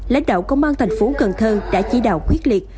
lãnh đạo công an tp cần thơ đã chỉ đạo quyết liệt